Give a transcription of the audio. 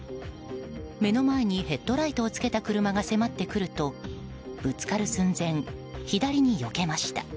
目の前にヘッドライトをつけた車が迫ってくると、ぶつかる寸前左によけました。